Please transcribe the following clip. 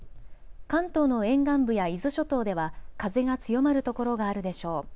関東の沿岸部や伊豆諸島では風が強まるところがあるでしょう。